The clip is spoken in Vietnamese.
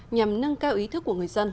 nhằm nâng cao ý thức của người dân